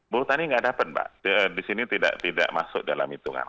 buruh tani nggak dapet mbak disini tidak masuk dalam hitungan